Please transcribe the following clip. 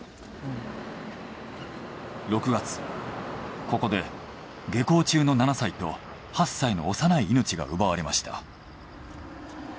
６月ここで下校中の７歳と８歳の幼い命が奪われました。